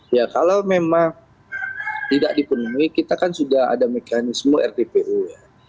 ya kalau memang tidak dipenuhi kita kan sudah ada mekanisme rtpu ya